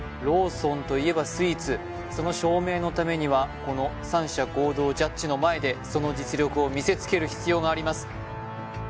ローソンといえばスイーツその証明のためにはこの３社合同ジャッジの前でその実力を見せつける必要があります